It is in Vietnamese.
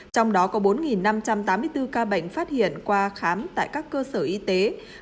trong đó có bốn năm trăm tám mươi bốn ca bệnh phát hiện qua khám tại các cơ sở y tế